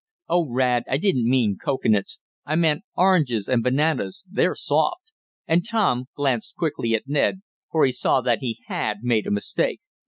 "Oh, Rad, I didn't mean cocoanuts! I meant oranges and bananas they're soft," and Tom glanced quickly at Ned, for he saw that he had made a mistake.